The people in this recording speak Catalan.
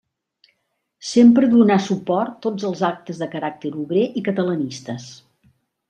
Sempre donà suport tots els actes de caràcter obrer i catalanistes.